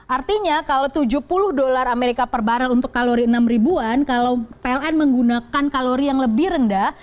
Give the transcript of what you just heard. artinya kalau tujuh puluh dolar amerika per barrel untuk kalori enam ribuan kalau pln menggunakan kalori yang lebih rendah